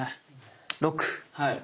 ６。